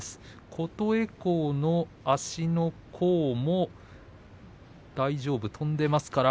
琴恵光の足の甲も大丈夫、飛んでいます。